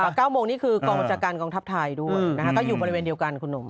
เก้าโมงนี่คือกองบัญชาการกองทัพไทยด้วยนะคะก็อยู่บริเวณเดียวกันคุณหนุ่ม